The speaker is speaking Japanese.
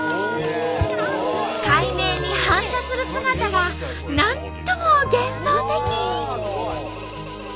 海面に反射する姿がなんとも幻想的。